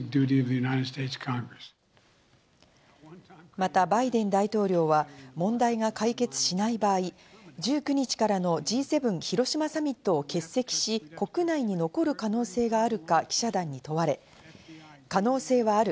またバイデン大統領は問題が解決しない場合、１９日からのＧ７広島サミットを欠席し、国内に残る可能性があるか記者団に問われ、可能性はある。